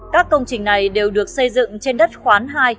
các công trình này đều được xây dựng trên đất khoán hai